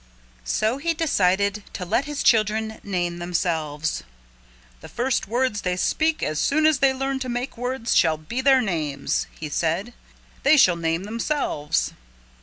So he decided to let his children name themselves. "The first words they speak as soon as they learn to make words shall be their names," he said. "They shall name themselves."